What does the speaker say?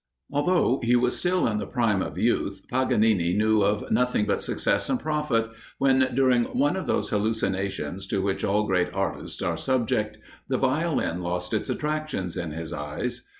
Although he was still in the prime of youth, Paganini knew of nothing but success and profit, when, during one of those hallucinations to which all great artists are subject, the Violin lost its attractions in his eyes.